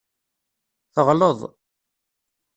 Teɣleḍ.